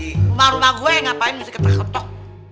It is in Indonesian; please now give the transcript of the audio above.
rumah rumah gue ngapain mesti ketek ketek